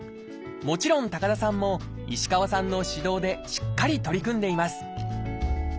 もちろん高田さんも石川さんの指導でしっかり取り組んでいます